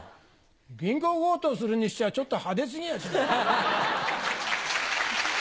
銀行強盗するにしちゃちょっと派手過ぎやしない？